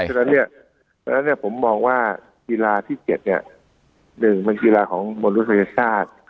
เพราะฉะนั้นเนี่ยแล้วเนี่ยผมมองว่ากีฬาที่เจ็ดเนี่ยหนึ่งเป็นกีฬาของมนุษยชาติ